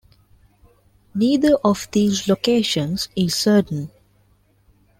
Neither of these locations is certain.